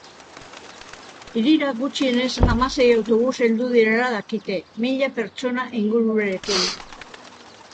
Hirira gutxienez hamasei autobus heldu direla dakite, mila pertsona ingururekin.